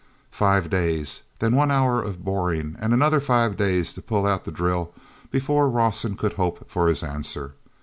Five days, then one hour of boring, and another five days to pull out the drill before Rawson could hope for his answer.